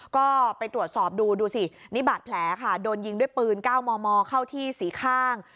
ก็ไปตรวจสอบดูดูสินี่บาดแผลค่ะโดนยิงด้วยปืน๙มมเข้าที่สีข้าง